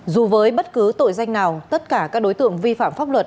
dù với bất cứ tội danh nào tất cả các đối tượng vi phạm pháp luật